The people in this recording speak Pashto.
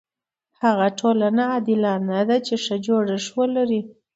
هغه ټولنه عادلانه ده چې ښه جوړښت ولري.